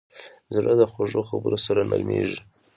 زړه د خوږو خبرو سره نرمېږي.